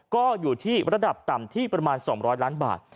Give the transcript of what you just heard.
ก็อยู่ที่ระดับต่ำที่ประมาณ๒๐๐ล้านบาท